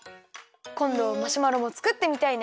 こんどマシュマロもつくってみたいね！